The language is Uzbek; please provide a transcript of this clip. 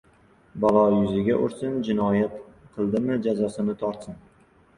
— Balo yuziga ursin! Jinoyat qildimi — jazosini tortsin.